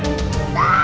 tapi biar mama tau